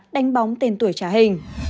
đánh bóng tên tuổi trả hình